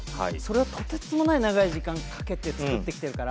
とてつもない長い時間かけて作ってきてるから。